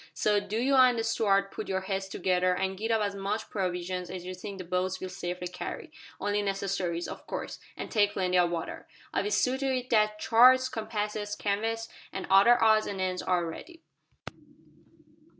So do you and the stooard putt your heads together an' git up as much provisions as you think the boats will safely carry. Only necessaries, of course, an' take plenty o' water. I'll see to it that charts, compasses, canvas, and other odds and ends are ready."